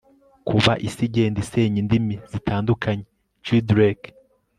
kuba isi igenda isenya indimi zitandukanye jeedrek